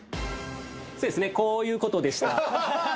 そうですねこういうことでした・